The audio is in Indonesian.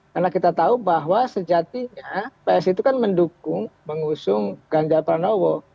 karena kita tahu bahwa sejatinya psi itu kan mendukung mengusung ganjar pranowo